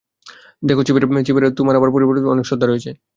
দেখ, চিফের তোমার আর তোমার পরিবারের প্রতি অনেক শ্রদ্ধা রয়েছে।